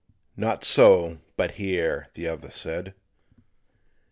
"Not so, but here," the other said.